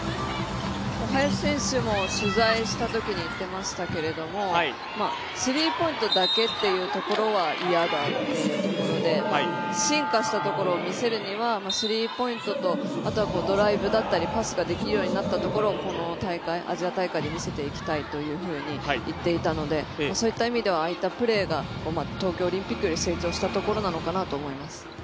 林選手も取材したときに言ってましたけどスリーポイントだけっていうところは嫌だっていうことで進化したところを見せるにはスリーポイントと、あとはドライブだったりパスができるようになったところをこのアジア大会で見せていきたいというふうに言っていたのでそういった意味ではああいったプレーが東京オリンピックより成長したところなのかなと思います。